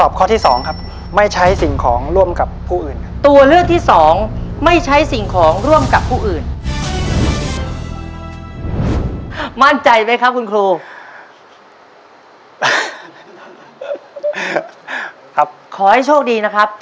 บั้งเยอะ